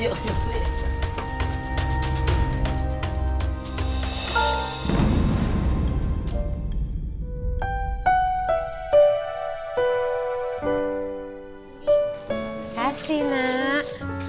terima kasih nak